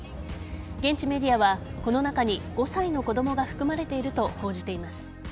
現地メディアはこの中に５歳の子供が含まれていると報じています。